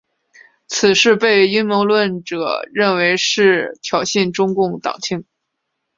此事被阴谋论者认为是挑衅中共党庆。